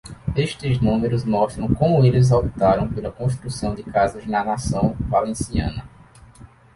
Estes números mostram como eles optaram pela construção de casas na nação valenciana.